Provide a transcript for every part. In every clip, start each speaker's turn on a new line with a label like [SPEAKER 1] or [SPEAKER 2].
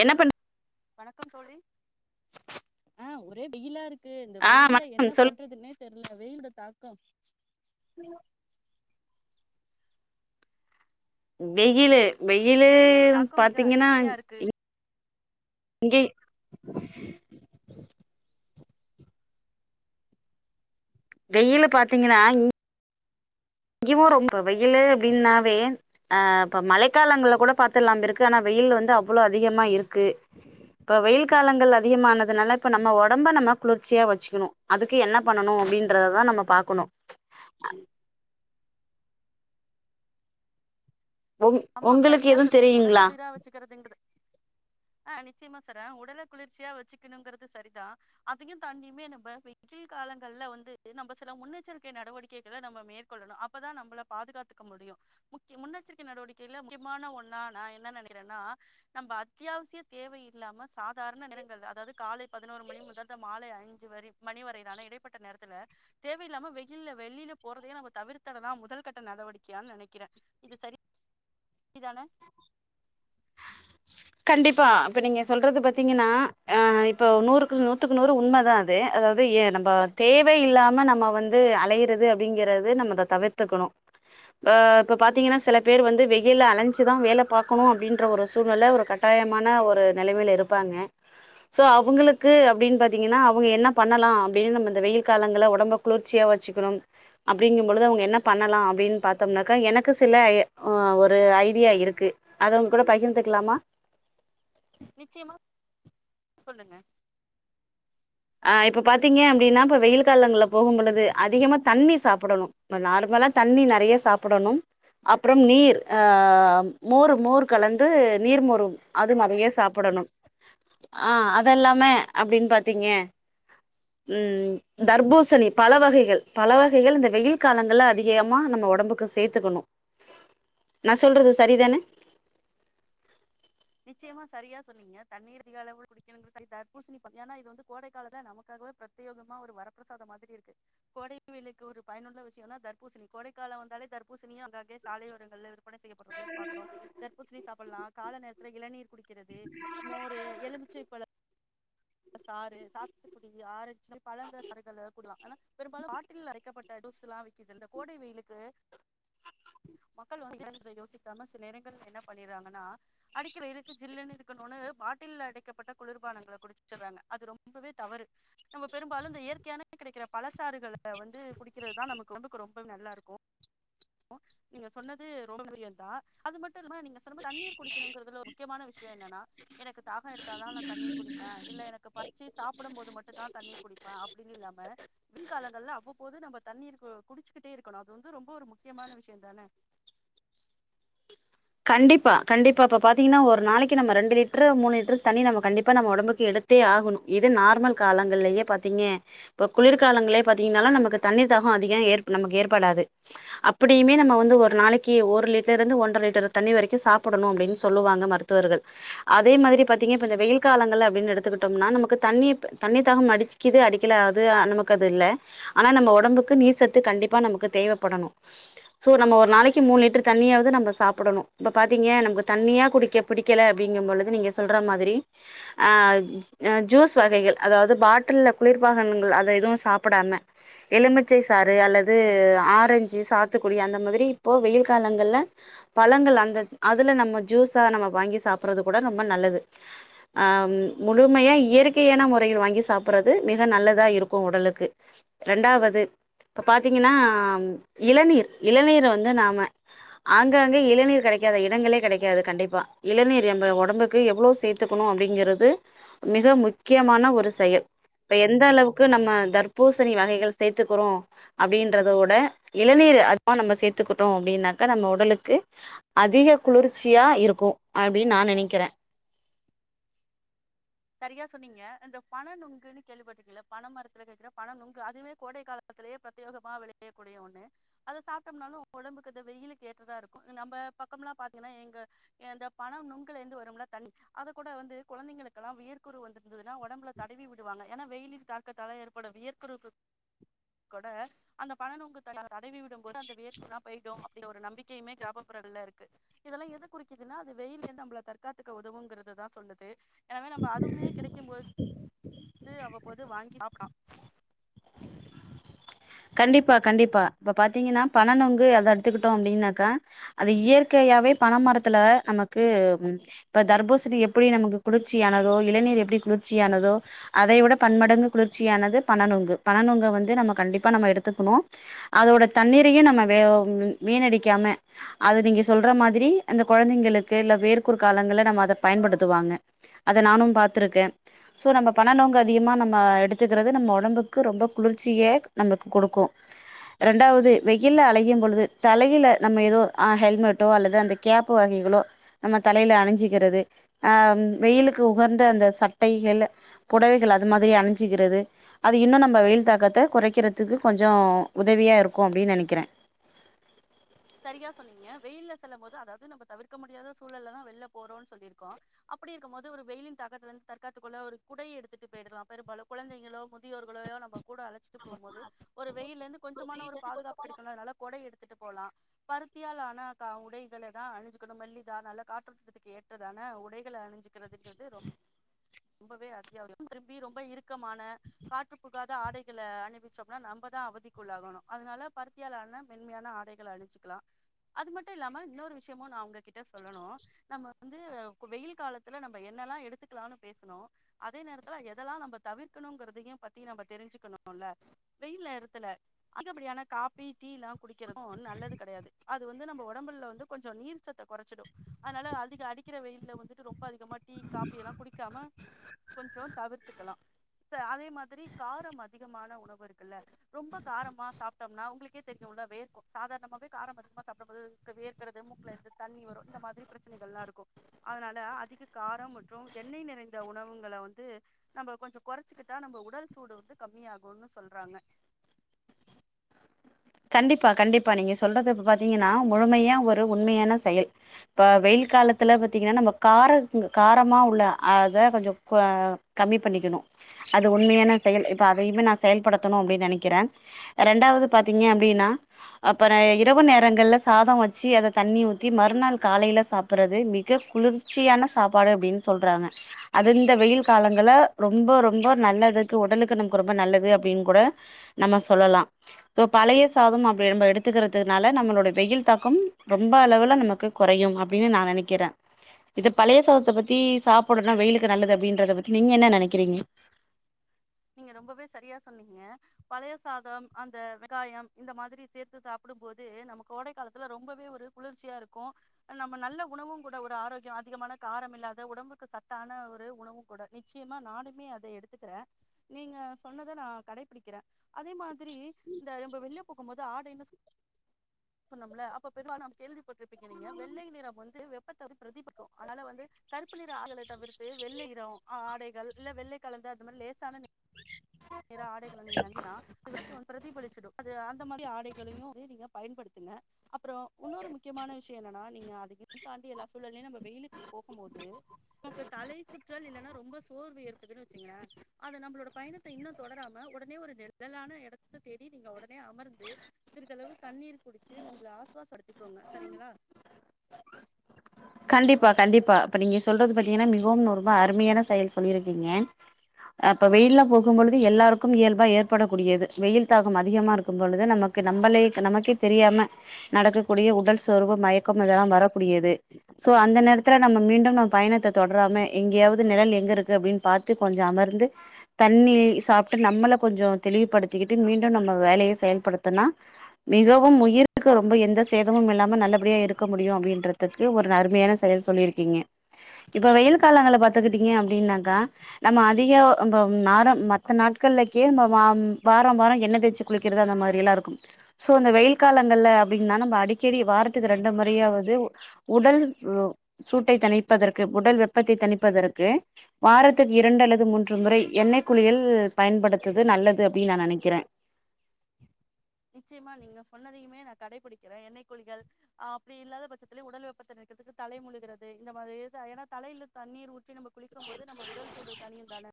[SPEAKER 1] என்ன பண்
[SPEAKER 2] வணக்கம் தோழி ஆ ஒரே வெயிலா இருக் கு இந்த
[SPEAKER 1] ஆ
[SPEAKER 2] வெயில்ல என்ன
[SPEAKER 1] வணக்கம் சொல்லு
[SPEAKER 2] பண்றதுன்னே தெரில வெயில் தாக்கோ
[SPEAKER 1] வெயிலு வெயிலு
[SPEAKER 2] வெயிலின் தாக்கம் மிக
[SPEAKER 1] பாத்தீங்கன்னா
[SPEAKER 2] அதிமையா இருக்கு
[SPEAKER 1] இங் இங்கயு வெயிலு பாத்தீங்கன்னா இங் இங்கவு ரொம்ப இப்ப வெயிலு அப்டின்னாவே ஆ இப்ப மழை காலங்கள்ல கூட பாத்துரலாம் இருக்கு ஆனா வெயில் வந்து அவ்ளோ அதிகமா இருக்கு இப்ப வெயில் காலங்கள் அதிகமானதுனால இப்ப நம்ம ஒடம்ப நம்ம குளிர்ச்சியா வச்சிக்கணு அதுக்கு என்ன பண்ணணு அப்டின்றத தா நம்ம பாக்கணு உங்
[SPEAKER 2] ஆமா
[SPEAKER 1] உங்களுக்கு
[SPEAKER 2] சரியா
[SPEAKER 1] எதுவு
[SPEAKER 2] சொன்னிய
[SPEAKER 1] தெரியுங்களா
[SPEAKER 2] உடல குளிர வச்சிக்கிறதுங்கது ஆ நிச் நிச்சயமா சரா உடல குளிர்ச்சியா வெச்சுக்கணுங்கிறது சரிதா அதையு தாண்டியுமே நம்ம வெயில் காலங்கள்ல வந்து நம்ம சில முன்னெச்சரிக்கை நடவடிக்கைகள நம்ம மேற்கொள்ளணு அப்பதா நம்மள பாதுகாத்துக்க முடியும் முன்னெச்சரிக்கை நடவடிக்கை க்கில்ல முக்கியமான ஒன்னா நா என்ன நினைக்கிறேன்னா நம்ம அத்தியாவசிய தேவை இல்லாம சாதாரண நேரங்கள்ல அதாவது காலை பதினோரு மணி முதல் த மாலை அஞ்சு வரை மணி வரையிலான இடைப்பட்ட நேரத்துல தேவையில்லாம வெய்யில்ல வெளில போறதயே நம்ம தவிர்த்திடறதா முதல் கட்ட நடவடிக்கையான்னு நினைக்கிற இது சரி தான
[SPEAKER 1] கண்டிப்பா இப்ப நீங்க சொல்றது பாத்தீங்கன்னா ஆஹ் இப்போ நூறுக்கு நூத்துக்கு நூறு உண்மதா அது அதாவது ஏ நம்ப தேவை இல்லாம நம்ம வந்து அலையறது அப்படிங்கறது நம்ம த தவிர்த்துக்கணும் அ இப்ப பாத்தீங்கன்னா சில பேர் வந்து வெய்யில அலைஞ்சுதா வேல பாக்கணு அப்படின்ற ஒரு சூழ்நில ஒரு கட் ட்டாயமான ஒரு நிலைமையில இருப்பாங்க சோ அவுங்களுக்கு அப்டின்னு பாத்தீங்கன்னா அவுங்க என்ன பண்ணலாம் அப்டின்னு நம்ம இந்த வெய்யில் காலங்கள்ள ஒடம்ப குளிர்ச்சியா வெச்சுக்கணும் அப்படிங்கும்பொழுது அவுங்க என்ன பண்ணலாம் அப்படின்னு பார்த்தோம்னாக்கா எனக்கு சில ஆஹ் ஒரு ஐடியா இருக்கு அது உங்க கூட பகிர்ந்துக்கலாமா
[SPEAKER 2] நிச்சயமா சொல்லுங்க
[SPEAKER 1] ஆ இப்போ பாத்தீங்க அப்படின்னா இப்போ வெய்யில் காலங்கள்ல போகும்பொழுது அதிகமாக தண்ணி சாப்பிடணும் இப்ப நார்மலா தண்ணி நெறயா சாப்பிடணும் அப்புறம் நீர் ஆ மோர் மோர் கலந்து நீர் மோர் அது நெறயா சாப்பிடணும் ஆ அதெல்லாம அப்படின்னு பாத்தீங்க உம் தர்பூசணி பழ வகைகள் பழ வகைகள் இந்த வெய்யில் காலங்கள்ல அதிகமா நம்ம ஒடம்புக்கு சேத்துக்கணு நா சொல்றது சரிதான
[SPEAKER 2] நிச்சயமா சரியா சொன்னீங்க தண்ணீர் அதிக அளவு குடிக்கணுங்கிறது தர்பூசணி ஏன்னா இது வந்து கோடைக்காலத்தல நமக்காகவே பிரத்யோகமா ஒரு வரப்பிரசாதம் மாதிரி இருக்கு கோடைவெயிலுக்கு ஒரு பயனுள்ள விஷயம்னா தர்பூசணி கோடை காலோ வந்தாலே தர்பூசணியும் அங்கேங்கே சாலையோரங்கள்ல இரு விற்பனை செய்யப்படுறதையும் பாக்குறோ தர்பூணி சாப்பலா கால நே ரத்தில இள நீர் குடி க்கிறது மோரு எலுமிச்சை பழ சாறு சாத்துக்குடி ஆர ஞ்சு பழங்க [unintelligible] பெரும்பாலும் பாட்டில்ல அடைக்கப்பட்ட ஜூஸ்ல்லா விக்குதுல்ல கோடை வெய்யிலுக்கு மக்கள் யோசிக்காம சில இடங்கள என்ன பண்ணிறாங்கனா அடிக்கிற வெய்யிலுக்கு ஜில்லுனு இருக்கனுனு பாட்டில்ல அடைக்கப்பட்ட குளிர்பானங்கள குடிச் சறாங்க அது ரொம்பவே தவறு நம்ம பெரும்பாலு இந்த இயற்கையான கிடைக்கிற பழச்சாறுகள வந்து குடிக்கிறதுதா நமக்கு ஒடம்புக்கு ரொம்ப நல்லா இருக்கு நீங்க சொன்னது ரொம்ப முக்கியம்தா அது மட்டுமில்லாம நீங்க சொன்னும்போது தண்ணீர் குடிக்கணுங்கறதுல ஒரு முக்கியமான விஷ்யோ என்னன்னா எனக்கு தாக எடுத்ததா நா தண்ணீர் குடிப்ப இல்ல எனக்கு பசிச்சு சாப்பிடும்போது மட்டுந்தா தண்ணீர் குடிப்ப அப்படின்னு இல்லாம வெய்யில் கால ள்ல அவ்வப்போது நம்ம தண்ணீர் குடிச்சுக்கிட்டே இருக்கனு அது வந்து ரொம்ப ஒரு முக் கியமான விஷயந்தான
[SPEAKER 1] கண்டிப்பா கண்டிப்பா இப்ப பாத்தீங்கன்னா ஒரு நாளைக்கு நம்ம ரெண்டு லிட்டர் மூணு லிட்டர் தண்ணி நம்ம கண்டிப்பா நம்ம ஒடம்புக்கு எடுத்தே ஆகணு இது நார்மல் காலங்கள்லயே பார்த்தீங்க இப்ப குளிர்காலங்களே பாத்தீங்கன்னாலா நமக்கு தண்ணிர் தாகம் அதிக ஏற் நமக்கு ஏற்படாது அப்படியுமே நம்ம வந்து ஒரு நாளைக்கு ஒரு லிட்டர் இருந்து ஒன்றரை லிட்டர் தண்ணி வரைக்கு சாப்பிடணு அப்படின்னு சொல்லுவாங்க மருத்துவர்கள் அதே மாதிரி பாத்தீங்க இப்போ இந்த வெய்யில் காலங்கள அப்படின்னு எடுத்துக்கிட்டோம்னா நமக்கு தண்ணி தண்ணி தாகம் அடிக்குது அடிக்கல அது நமக்கு அது இல்ல ஆனா நம்ம ஒடம்புக்கு நீர்சத்து கண்டிப்பா நமக்கு தேவைப்படணு சோ நம்ம ஒரு நாளைக்கு மூணு லிட்டர் தண்ணியாவது நம்ம சாப்பிடணு இப்ப பாத்தீங்க நமக்கு தண்ணியா குடிக்க பிடிக்கல அப்படிங்கும் பொழுது நீங்க சொல்ற மாதிரி ஆஹ் ஜூஸ் வகைகள் அதாவது பாட்டில குளிர்பானங்கள் அத எதுவும் சாப்பிடாம எலுமிச்சை சாறு அல்லது ஆரஞ்சு சாத்துக்குடி அந்த மாதிரி இப்போ வெய்யில் காலங்கள்ல பழங்கள் அதுல நம்ம ஜூஸா நம்ம வாங்கி சாப்பிடறது கூட ரொம்ப நல்லது ஆஹ் முழுமையா இயற்கையான முறையில் வாங்கி சாப்பிடறது மிக நல்லதா இருக்கு உடலுக்கு இரண்டாவது இப்ப பாத்தீங்கன்னா இளநீர் இளநீர வந்து நாம ஆங்காங்கே இளநீர் கடை கிடைக்காத இடங்களே கிடைக்காது கண்டிப்பா இளநீர் நம்ப ஒடம்புக்கு எவ்ளோ சேர்த்துக்கணு அப்படிங்கிறது மிக முக்கியமான ஒரு செயல் இப்ப எந்த அளவுக்கு நம்ம தர்பூசணி வகைகள் சேர்த்துக்கிறோ அப்படின்றத விட இளநீர் அதுதா நம்ம சேர்த்துக்கிட்டோம் அப்படின்னாக்கா நம்ம உடலுக்கு அதிக குளிர்ச்சியா இருக்கு அப்படின்னு நா நினைக்கிற
[SPEAKER 2] சரியா சொன்னீங்க இந்த பண நுங்குன்னு கேள்விப்பட்டிருக்கீலா பண மரத்துல கிடைக்கிற பண நுங்கு அதுவே கோடை காலத்திலே பிரத்யேகமா விளயக்கூடிய ஒண்ணு அத சாப்பிட்டம்னாலு உங்க உடம்புக்கு இந்த வெய்யிலுக்கு ஏற்றதா இருக்கு நம்ப பக்கமெல்லாம் பாத்தீங்கன்னா எங்க இந்த பண நுங்குல இருந்து வரும்ல்ல தண்ணி அத கூட வந்து கொழந்தைங்களுக்கு லாம் வியர்குரு வந்திருந்துனா ஒடம்புல தடவி விடுவாங்க ஏனா வெய்யிலின் தாக்கத்தால ஏற்படும் வியற்குறுக்கு கூட அந்த பணநுங்கு தடவி விடும் விடும்போது அந்த வேர்குறு எல்லா போயிடு இதில ஒரு நம்பிக்கையுமே கிராமப்புறகள்ல இருக்கு இதெல்லா எத குறிக்குதுன்னா அது வெய்யில இருந்து நம்மள தற்காத்துக்க உதவுங்கறதுதா சொல்லுது எனவே நம்ப அதுமே கிடைக்கும்போது அவ்வப்போது வாங்கி சாப்பிடலா
[SPEAKER 1] கண்டிப்பா கண்டிப்பா இப்ப பாத்தீங்கன்னா பணநொங்கு அத எடுத்துக்கிட்டோ அப்படின்னாக்கா அது இயற்கையாவே பணமரத்துல நமக்கு இப்ப தர்பூசணி எப்படி நமக்கு குளிர்ச்சியானதோ இளநீர் எப்படி குளிர்ச்சியானதோ அதை விட பன்மடங்கு குளிர்ச்சியானது பணநொங்கு பணநொங்கு வந்து நம்ம கண்டிப்பா இப்ப நாம எடுத்துக்கணு அதோட தண்ணீரையே நம்ம வே வீணடிக்காம அது நீங்க சொல்ற மாதிரி இந்த குழந்தைங்களுக்கு இல்ல வேர்குரு காலங்கள்ல நம்ம அத பயன்படுத்துவாங்க அத நானும் பாத்துருக்க சோ நம்ம பண நொங்க அதிகமா நம்ம எடுத்துக்கிறது நம்ம ஒடம்புக்கு ரொம்ப குளிர்ச்சியே நமக்கு கொடுக்கு ரெண்டாவது வெய்யில அழையும் பொழுது தலையில நம்ம எதோ ஆஹ் ஹெல்மெட்டோ அல்லது அந்த கேப்பு வகைகளோ நம்ம தலையில அணிஞ்சுக்கிறது ஆஹ் வெய்யிலுக்கு உகந்த அந்த சட்டைகள்ல புடவைகள் அது மாதிரி அணிஞ்சுக்கிறது அது இன்னு நம்ம வெய்யில் தாக்கத்தை குறை க்கிறதுக்கு கொஞ்சோ உதவியா இருக்கு அப்படின்னு நினைக்கிற
[SPEAKER 2] சரியா சொன்னீங்க வெய்யில்ல செல்லம்போது அதாவது நம்ம தவிர்க்க முடியாத சூழல்லதா வெளில போறோனு சொல்லிருக்கோ அப்படி இருக்கும் போது ஒரு வெய்யிலின் தக்கத்துல இருந்து தற்காத்துக்கொள்ள ஒரு குடையை எடுத்துட்டு போயிடறலா பெரும்பாலு குழந்தைங்களோ முதியோர்களயோ நம்ம கூட அழைச்சிட்டு போம்போது ஒரு வெய்யில இருந்து கொஞ்சமான ஒரு பாதுகாப்பு கிடைக்குல்ல அதனால கொடை எடுத்துட்டு போலா பருத்தியால் ஆன கா உடைகளதா அணிஞ்சுக்கணு மெல்லிதா நல்ல காற்றுத்திட்டத்துக்கு ஏற்றதான உடைகளை அணிஞ்சு ங்கிறதுங்கிறது ரொம் ரொம்பவே அத்தியாவியம் திரும்பி ரொம்ப இறுக்கமான காற்று புகாத ஆடைகளை அணிவிச்சோம்னா நம்மதா அவதிக்குள்ள ஆகணு அதனால பருத்தியாலான மென்மையான ஆடைகளை அணிச்சுக்கலா அது மட்டு இல்லாம இன்னொரு விஷயமு நா உங்ககிட்ட சொல்லணு நம்ம வந்து வெயில் காலத்துல நம்ம என்னெல்லா எடுத்துக்கலான்னு பேசனு அதே நேரத்துல எதெல்லா நம்ம தவிர்க்கணுங்கறதையுப் பத்தி நம்ப தெரிஞ்சுக்கணுல வெயில் நேரத்துல அதிக படியான காப்பி டீ லா குடிக்கிறது நல்லது கடையாது அது வந்து நம்ப உடம்புல வந்து கொஞ்சோ நீர்ச்சத்த கொறைச்சிடு அதனால அதிக அடிக்கிற வெயில்ல வந்துட்டு ரொம்ப அதிகமா டீ காப்பி எல்லா குடிக்காம கொஞ்சோ தவிர்த்துக்கலா இப்ப அதே மாதிரி காரோ அதிகமான உணவு இருக்குல்ல ரொம்ப காரமா சாப்ட்டோம்னா உங்களுக்கே தெரியுல்ல வேர்க்கு சாதாரணமாவே காரம் அதிகமா சாப்புடும் போது வேர்க்கிறது மூக்குலயிருந்து தண்ணி வரு இந்த மாதிரி பிரச்சனைகள்லா இருக்கும அதனால அதிக காரம் மற்றும் எண்ணெய் நிறைந்த உணவுங்கள வந்து நம்ம கொஞ்சோ குறைச்சுக்கிட்டா நம்ம உடல் சூடு வந்து கம்மியாகுன்னு சொல்றாங்க
[SPEAKER 1] கண்டிப்பா கண்டிப்பா நீங்க சொல்றது இப்ப பாத்தீங்ன்னா முழுமையா ஒரு உண்மையான செயல் இப்ப வெயில் காலத்துல பாத்தீங்ன்னா நம்ம காரத்ல காரமா உள்ள அத கொஞ்ச கம்மி பண்ணிக்கணு அது உண்மையான செயல் இப்ப அதையுமே நா செயல்படுத்தணு அப்டின் நெனைக்கிறே ரெண்டாவது பாத் பாத்தீங்க அப்டின்னா அப்புறோ இரவு நேரங்கள்ல சாதோ வெச்சு அத தண்ணி ஊத்தி மறுநாள் காலையில சாப்பர்றது மிக குளிர்ச்சியான சாப்பாடு அப்டின்னு சொல்றாங்க அது இந்த வெயில் காலங்கல ரொம்ப ரொம்ப நல்லதுக்கு உடலுக்கு நமக்கு ரொம்ப நல்லது அப்டின்னு கூட நம்ம சொல்லலா சோ பழைய சாதம் நம்ம விரு எடுத்துக்கறதுனால நம்மளோட வெயில் தாக்கம் ரொம்ப அளவுல நமக்கு கொறையும் அப்புடின்னு நா நெனைக்கிறே இத பழைய சாதத்தை பத்தி சாப்புடுன்னு வெயிலுக்கு நல்லது அப்படின்றத பத்தி நீங்க என்ன நெனைக்கிறீங்க
[SPEAKER 2] நீங்க ரொம்பவே சரியா சொன்னீங்க பழைய சாதம் அந்த வெங்காயம் இந்த மாதிரி சேர்த்து சாப்புடும் போது நம்ம கோடை காலத்துல ரொம்பவே ஒரு குளிர்ச்சியா இருக்கு நம்ம நல்ல உணவும் கூட ஒரு ஆரோக்கிய அதிகமான காரம் இல்லாத உடம்புக்கு சத்தான ஒரு உணவு கூட நிச்சயமா நானமே அத எடுத்துக்கிறே நீங்க சொன்னத நா கடைபிடிக்கிறே அதே மாதிரி இந்த வெ வெள்யே போம்போது ஆடைன்னு சொ சொன்னமுல்ல அப்ப பெவான்னு நம்ப கேள்விபட்ருப்பிங்க நீங்க வெள்ளை நிறம் வந்து வெப்பத்தை பத்து பிரதிபக்கு அதனால வந்து கருப்பு நிற ஆகலை தவிர்த்து வெள்ளை இறோ ஆடைகள் இல்ல வெள்ளை கலந்து அது மாதிரி லேசான‌ நிர் நிற ஆடைக நீங்க அனுச்சிங்னா வெப்பத்த வந்து பிரதிபலிச்சிடு அது அந்த மாதிரி ஆடைகளையு வந்து நீங்க பயன்படுத்துங்க அப்புறோ இன்னொரு முக்கியமான விஷயோ என்னன்னா நீங்க அது தாண்டி எல்லா சூழலும் நம்ம வெயிலுக்கு போகும் போது நமக்கு தலை சுற்றல் இல்லைன்னா ரொம்ப சோர்வு ஏற்பதுன்னு வெச்சுங்களே அது நம்மளோட பயணத் தை இன்னு தொடராம ஒடனே ஒரு நிழலான எடத்த தேடி நீங்க ஒடனே அமர்ந்து சிறதளவு தண்ணீர் குடிச்சு உங்கள ஆசுவாச படுத்திக்கோங்க சரிங்களா
[SPEAKER 1] கண்டிப்பா கண்டிப்பா இப்ப நீங்க சொல்றது பாத்தீங்கன்னா மிகவும் ரொம்ப அருமையான செயல் சொல்லியிருக்கீங்க அப்ப வெயில்ல போகும் பொழுது எல்லாருக்கும் இயல்பா ஏற்படக்கூடியது வெயில் தாகம் அதிகமா இருக்கும் பொழுது நமக்கு நம்பள நமக்கே தெரியாம நடக்கக்கூடிய உடல் சர்வு மயக்கம் இதெல்லாம் வரக்கூடியது சோ அந்த நேரத்துல நம்ம மீண்டும் நம்ம பயணத்தை தொடராம எங்கேயாவது நிழல் எங்க இருக்கு அப்டின்னு பார்த்து கொஞ்சோ அமர்ந்து தண்ணி சாப்ட்டு நம்மளை கொஞ்சோ தெளிவுபடுத்திக்கிட்டு மீண்டு நம்ம வேலையை செயல்படுத்தனா மிகவும் உயிருக்கு ரொம்ப எந்த சேதமும் இல்லாம நல்லபடியா இருக்க முடியு அப்டின்றதுக் ஒரு அருமையான செயல் சொல்லியிருக்கீங்க இப்ப வெயில் காலங்கள்ல பாத்துக்கிட்டீங்க அப்படின்னாக்கா நம்ம அதிகோ நம்ம நாரம் மத்த நாட்கள்லக்கே நம்ம வாரம் வாரம் எண்ணெய்யச்சு குளிக்கிறது அந்த மாதிரியேல்லா இருக்கு சோ அந்த வெயில் காலங்கள்ல அப்டின்னா நம்ம அடிக்கடி வாரத்துக்கு ரெண்டு முறையாவது உடல் வ் சூட்டை தணிப்பதற்கு உடல் வெப்பத்தை தணிப்பதற்கு வாரத்துக்கு இரண்டு அல்லது மூன்று முறை எண்ணெய் குளியல் பயன்படுத்துது நல்லது அப்டின்னு நா நெனைக்கிறே
[SPEAKER 2] நிச்சயமா நீங்க சொன்னதையுமே நா கடைபிடிக்கிறே எண்ணெய் குளிகள் அஹ் அப்புடி இல்லாத பட்சத்திலியு உடல் வெப்பத்தை நிற்கிறதுக்கு தலை முழுகிறது இந்த மாதிரி ஏனா தலையில தண்ணீர் ஊற் நம்ம குளிக்கும் போது நம்ம உடல் சூடு தனியும் தான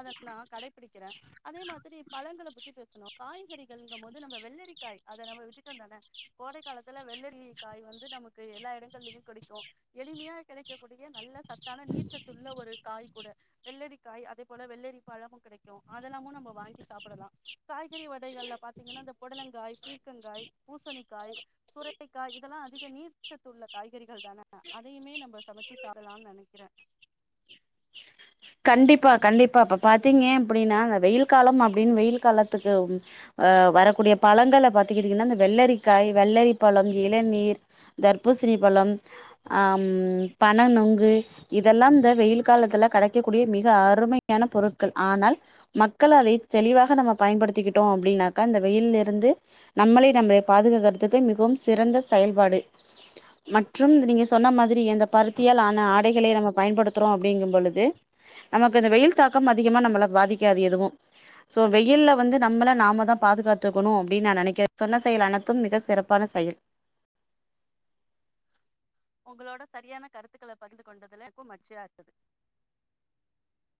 [SPEAKER 2] அத நா கடைபிடிக்கிறே அதே மாதிரி பழங்களப் பத்தி பேசணு காய்கறிகளுங்கும் போது ந வெள்ளரிக்காய் அத நம்ம விட்டுட்டோந்தான கோடை காலத்துல வெள்ளரி காய் வந்து நமக்கு எல்லா இடங்கள்லயுமே கடைக்கு எளிமையா கெடைக்கக் கூடிய நல்ல சத்தான நீர் சத்துள்ள ஒரு காய் கூட வெள்ளரி காய் அதே போல வெள்ளரி பழமும் கெடைக்கு அதெல்லாமும் நம்ம வாங்கி சாப்படலா காய்கறி வடைகள்ல பாத் பாத்தீங்கன்னா இந்த புடலங்காய் பீர்கங்காய் பூசணிக்காய் சுரைக்காய் இதெல்லா அதிக நீர்ச்சத்துள்ள காய்கறிகள் தான அதையுமே நம்ம சமைச்சு சாடலான்னு நெனைக்கிறே
[SPEAKER 1] கண்டிப்பா கண்டிப்பா அப்ப பாத்தீங்க அப்படின்னா வெயில் காலம் அப்படின்னு வெயில் காலத்துக்கு ம் அ வரக்கூடிய பழங்கள பாத்துக்கிட்டீங்கன்னா இந்த வெள்ளரிக்காய் வெள்ளரி பழம் இளநீர் தர்பூசணி பழம் ஆஹம் பன நுங்கு இதெல்லாம் இந்த வெயில் காலத்துல கடைக் க்கடிய மிக அருமையான பொருட்கள் ஆனால் மக்கள் அதை தெளிவாக நம்ம பயன்படுத்திக்கிட்டோ அப்படின்னாக்கா இந்த வெயிலருந்து நம்மளை நம்ம பாதுகாக்கறதுக்கு மிகவும் சிறந்த செயல்பாடு மற்றும் நீங்க சொன்ன மாதிரி எந்த பருத்தியால் ஆன ஆடைகளை நம்ம பயன்படுத்துறோ அப்படிங்கும் பொழுது நமக்கு இந்த வெயில் தாக்கம் அதிகமா நம்மள பாதிக்காது எதுவு சோ வெயில்ல வந்து நம்மள நாமதா பாதுகாத்துக்கணு அப்படின்னு நா நெனைக்கிறே சொன்ன செயல் அனைத்து மிக சிறப்பான செயல்
[SPEAKER 2] உங்களோட சரியான கருத்துக்கள பகிர் கொண்டதுல என்கு மகிழ்ச்சியாருந்தது